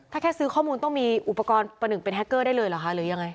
ถ้าแค่ซื้อข้อมูลต้องมีอุปกรณ์ประหนึ่งเป็นแฮคเกอร์ได้เลยเหรอคะหรือยังไง